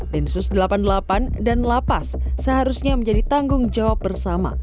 densus delapan puluh delapan dan lapas seharusnya menjadi tanggung jawab bersama